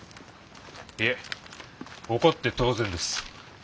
いえ怒って当然です。